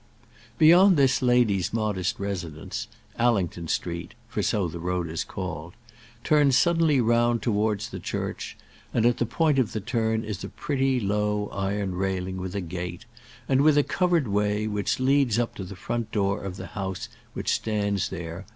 Beyond this lady's modest residence, Allington Street, for so the road is called, turns suddenly round towards the church, and at the point of the turn is a pretty low iron railing with a gate, and with a covered way, which leads up to the front door of the house which stands there.